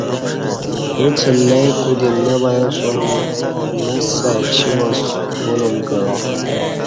اݩڅ نئ کو دی نہ بیاسوم لسہ اچی واس بولم کعہ